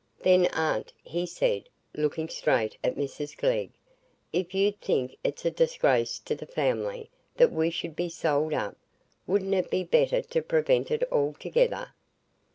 "Then, aunt," he said, looking straight at Mrs Glegg, "if you think it's a disgrace to the family that we should be sold up, wouldn't it be better to prevent it altogether?